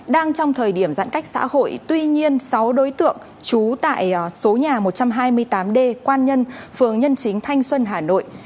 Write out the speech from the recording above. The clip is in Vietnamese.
đang trong thời điểm giãn cách xã hội tuy nhiên sáu đối tượng trú tại số nhà một trăm hai mươi tám d quan nhân phường nhân chính thanh xuân hà nội